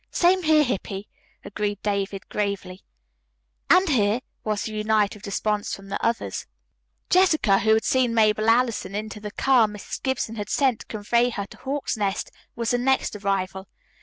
"Same here, Hippy," agreed David gravely. "And here," was the united response from the others. Jessica, who had seen Mabel Allison into the car Mrs. Gibson had sent to convey her to Hawk's Nest, was the next arrival.